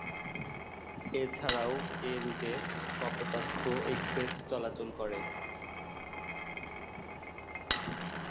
এছাড়াও এ রুটে কপোতাক্ষ এক্সপ্রেস চলাচল করে।